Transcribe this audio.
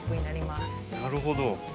なるほど。